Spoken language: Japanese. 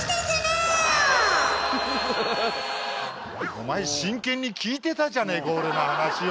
お前真剣に聞いてたじゃねえか俺の話を。